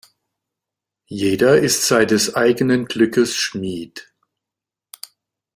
Jeder ist seines eigenen Glückes Schmied.